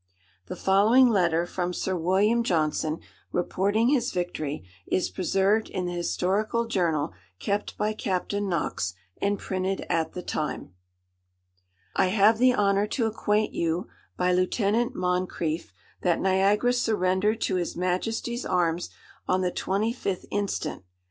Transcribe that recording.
The following letter from Sir William Johnson, reporting his victory, is preserved in the Historical Journal kept by Captain Knox, and printed at the time:— "I have the honour to acquaint you, by Lieutenant Moncrief, that Niagara surrendered to his Majesty's arms, on the twenty fifth instant.